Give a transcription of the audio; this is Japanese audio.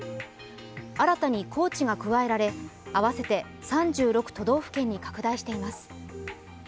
新たに高知が加えられ、合わせて３６都道府県に拡大しています。